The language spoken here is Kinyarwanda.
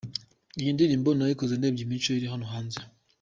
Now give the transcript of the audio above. Iyi ndirimbo nayikoze ndebye imico iri hano hanze.